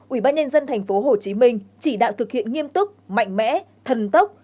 ủy ban nhân dân tp hcm chỉ đạo thực hiện nghiêm túc mạnh mẽ thần tốc